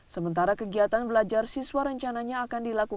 sementara kegiatan belajar siswa rencananya akan dilakukan